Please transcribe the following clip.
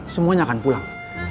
semuanya akan pulang